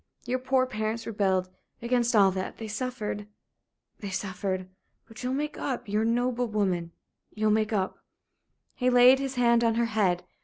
Your poor parents rebelled against all that. They suffered they suffered. But you'll make up you're a noble woman you'll make up." He laid his hand on her head.